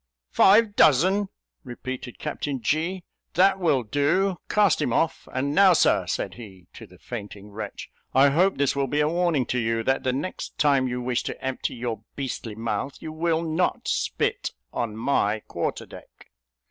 "Five dozen!" repeated Captain G; "that will do cast him off. And now, sir," said he, to the fainting wretch, "I hope this will be a warning to you, that the next time you wish to empty your beastly mouth, you will not spit on my quarter deck."